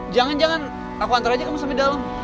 jangan jangan aku antar aja kamu sampe dalem